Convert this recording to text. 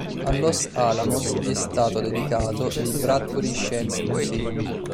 A Los Alamos gli è stato dedicato il Bradbury Science Museum.